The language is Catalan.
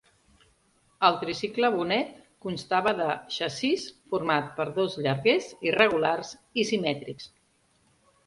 El tricicle Bonet constava de xassís format per dos llarguers irregulars i simètrics.